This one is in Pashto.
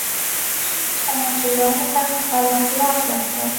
دې موضوع سناتورانو ته ښه پلمه په لاس ورکړه